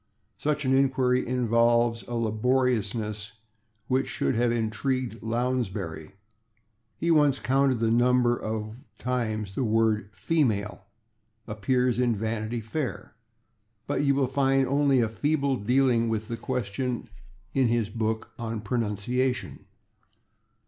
Such an inquiry involves a laboriousness which should have intrigued Lounsbury: he once counted the number of times the word /female/ appears in "Vanity Fair." But you will find only a feeble dealing with the question in his book on pronunciation.